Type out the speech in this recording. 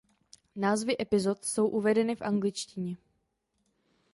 Názvy epizod jsou uvedeny v angličtině.